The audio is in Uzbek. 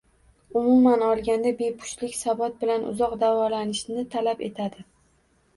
Umuman olganda, bepushtlik sabot bilan uzoq davolanishni talab etadi.